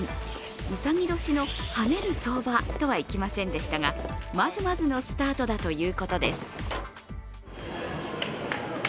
うさぎ年の跳ねる相場とはいきませんでしたが、まずますのスタートだということです。